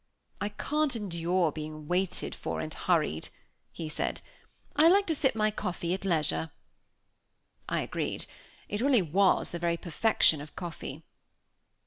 "I can't endure being waited for and hurried," he said, "I like to sip my coffee at leisure." I agreed. It really was the very perfection of coffee.